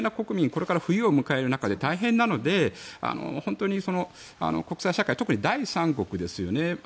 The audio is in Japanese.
これから冬を迎えるに当たって大変なので本当に国際社会特に第三国ですよね。